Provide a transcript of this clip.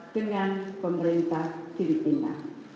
dengan pemerintah indonesia